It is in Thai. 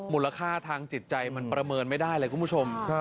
มูลค่าทางจิตใจมันประเมินไม่ได้เลยคุณผู้ชม